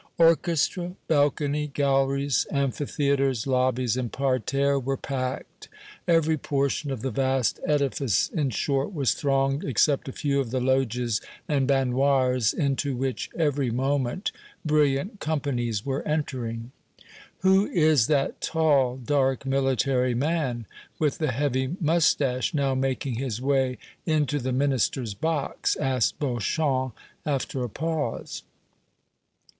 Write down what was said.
Orchestra, balcony, galleries, amphitheatres, lobbies and parterre were packed; every portion of the vast edifice, in short, was thronged except a few of the loges and baignoires, into which every moment brilliant companies were entering. "Who is that tall, dark military man, with the heavy moustache, now making his way into the Minister's box?" asked Beauchamp, after a pause.